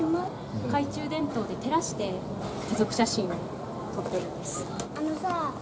懐中電灯で照らして家族写真を撮ってるんです。